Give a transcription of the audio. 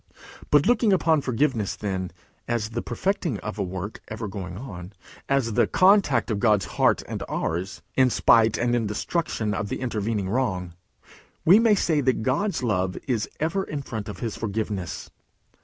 But, looking upon forgiveness, then, as the perfecting of a work ever going on, as the contact of God's heart and ours, in spite and in destruction of the intervening wrong, we may say that God's love is ever in front of his forgiveness.